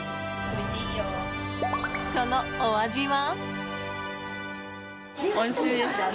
そのお味は？